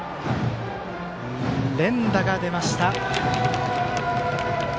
連打が出ました。